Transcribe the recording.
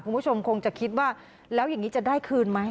คุณผู้ชมคงจะคิดว่าแล้วอย่างนี้จะได้คืนไหม